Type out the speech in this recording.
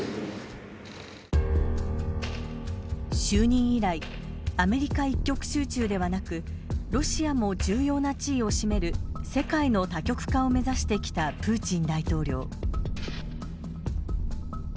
就任以来アメリカ一極集中ではなくロシアも重要な地位を占める世界の多極化を目指してきたプーチン大統領。